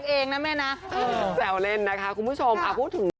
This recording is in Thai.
ก็ดีมาอยู่ใกล้กันเพราะว่าพี่โลกอุทัยก็ไม่ไกลกันเนอะ